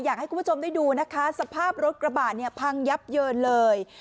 อยากให้คุณผู้ชมได้ดูนะคะสภาพรถกระบะเนี่ยพังยับเยินเลย